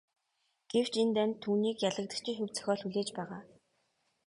Гэвч энэ дайнд түүнийг ялагдагчийн хувь зохиол хүлээж байгаа.